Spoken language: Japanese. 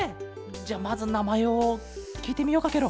じゃあまずなまえをきいてみようかケロ。